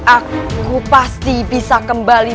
aku pasti bisa kembali